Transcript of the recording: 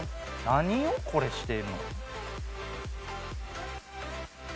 何をこれしてんの？